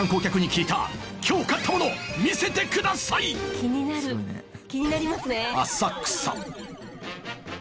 気になる気になりますね。